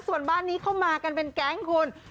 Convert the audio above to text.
ส่วนบ้านนี้เข้ามากันเป็นแก๊งคุณ